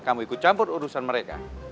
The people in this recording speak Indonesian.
kamu ikut campur urusan mereka